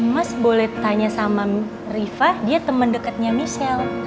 mas boleh tanya sama riva dia temen deketnya michelle